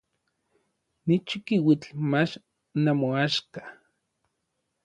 Ni chikiuitl mach namoaxka.